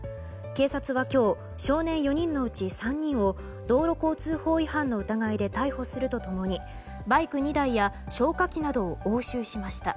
警察は今日少年４人のうち３人を道路交通法違反の疑いで逮捕すると共にバイク２台や消火器などを押収しました。